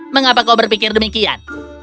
mengapa kau berpikir demikian